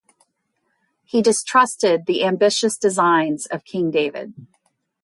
He distrusted the ambitious designs of King David.